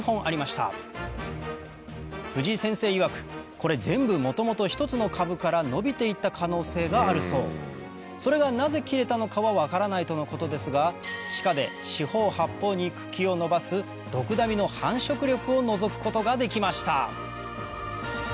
これ全部元々１つの株から伸びて行った可能性があるそうそれがなぜ切れたのかは分からないとのことですが地下で四方八方に茎を伸ばすドクダミの繁殖力をのぞくことができました